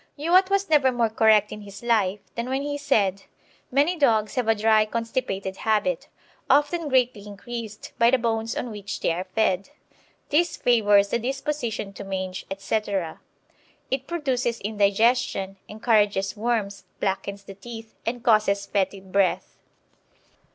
Youatt was never more correct in his life than when he said: "Many dogs have a dry constipated habit, often greatly increased by the bones on which they are fed. This favours the disposition to mange, etc. It produces indigestion, encourages worms, blackens the teeth, and causes fetid breath."